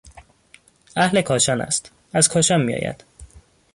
اهل کاشان است، از کاشان میآید.